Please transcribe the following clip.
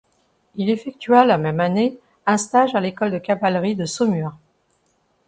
Il effectua, la même année un stage à l’École de cavalerie de Saumur.